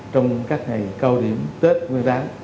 trong các ngày cao điểm tết nguyên đán